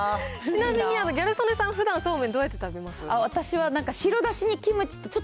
ちなみにギャル曽根さん、ふだん、そうめんどうやって食べます？